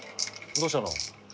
どうしたの？